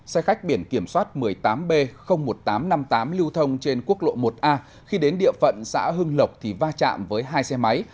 xe khách biển kiểm soát một mươi tám b một nghìn tám trăm năm mươi tám lưu thông trên quốc lộ một a khi đến địa phận xã hưng lộc thì va chạm với hai xe máy